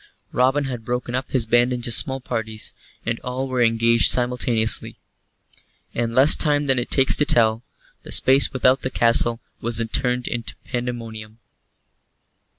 Robin had broken up his band into small parties, and all were engaged simultaneously. In less time than it takes to tell, the space without the castle was turned to pandemonium.